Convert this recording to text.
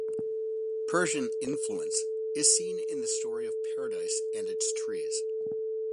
Persian influence is seen in the story of Paradise and its trees.